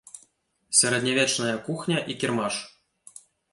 Сярэднявечная кухня і кірмаш.